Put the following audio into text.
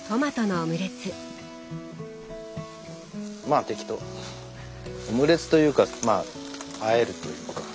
オムレツというかまああえるというか。